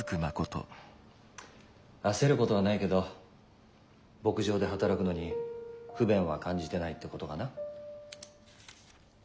焦ることはないけど牧場で働くのに不便は感じてないってことかな？